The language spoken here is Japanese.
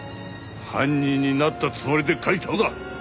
犯人になったつもりで書いたものだ！